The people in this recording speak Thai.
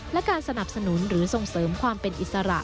และการสนับสนุนหรือส่งเสริมความเป็นอิสระ